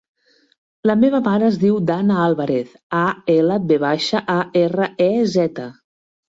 La meva mare es diu Danna Alvarez: a, ela, ve baixa, a, erra, e, zeta.